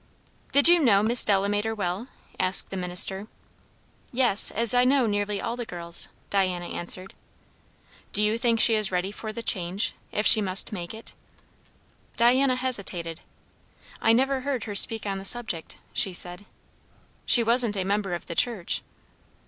"Did you know Miss Delamater well?" asked the minister. "Yes as I know nearly all the girls," Diana answered. "Do you think she is ready for the change if she must make it?" Diana hesitated. "I never heard her speak on the subject," she said. "She wasn't a member of the church."